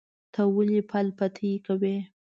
ته ولې پل پتی کوې؟